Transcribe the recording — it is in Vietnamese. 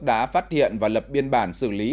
đã phát hiện và lập biên bản xử lý